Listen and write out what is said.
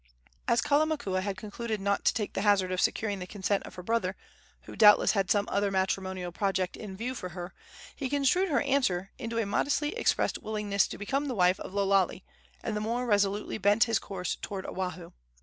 As Kalamakua had concluded not to take the hazard of securing the consent of her brother, who doubtless had some other matrimonial project in view for her, he construed her answer into a modestly expressed willingness to become the wife of Lo Lale, and the more resolutely bent his course toward Oahu.